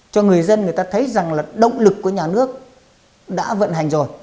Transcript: cho người dân người ta thấy rằng là động lực của nhà nước đã vận hành rồi